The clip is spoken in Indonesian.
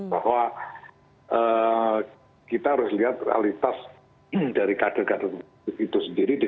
bahwa kita harus lihat realitas dari kader kader itu sendiri